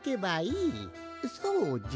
そうじゃ！